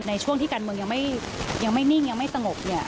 ในช่วงที่การเมืองยังไม่นิ่งยังไม่สงบ